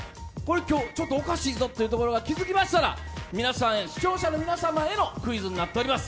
今日ちょっとおかしいぞというところに気付きましたら、視聴者の皆様へのクイズとなっております。